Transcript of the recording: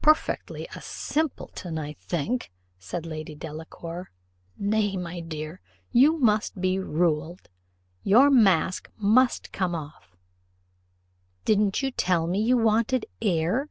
"Perfectly a simpleton, I think," said Lady Delacour. "Nay, my dear, you must be ruled; your mask must come off: didn't you tell me you wanted air?